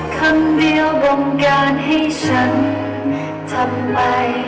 ขอบคุณทุกเรื่องราว